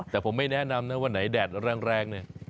แต่ผมไม่แนะนำนะวันไหนแดดแรงเนี่ย